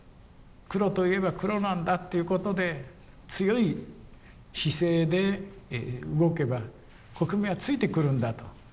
黒と言えば黒なんだということで強い姿勢で動けば国民はついてくるんだと。